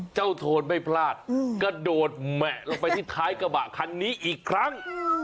โทนไม่พลาดกระโดดแหมะลงไปที่ท้ายกระบะคันนี้อีกครั้ง